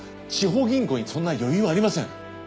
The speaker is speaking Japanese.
地方銀行にそんな余裕ありません。